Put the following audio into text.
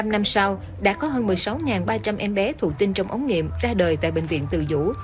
một mươi năm năm sau đã có hơn một mươi sáu ba trăm linh em bé thụ tinh trong ống nghiệm ra đời tại bệnh viện từ dũ